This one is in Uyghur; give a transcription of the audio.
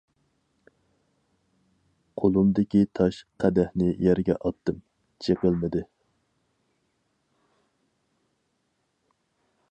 قولۇمدىكى تاش قەدەھنى يەرگە ئاتتىم، چېقىلمىدى.